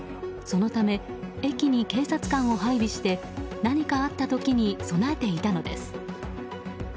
そのため駅に警察官を配備して何かあった時に備えていたのです。